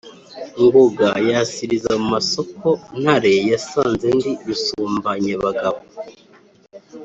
Ngoga yasiliza mu masoko, Ntare yasanze ndi rusumbanyamugabo